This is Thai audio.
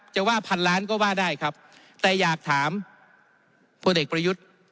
จะว่าพันล้านก็ว่าได้ครับแต่อยากถามพลเอกประยุทธ์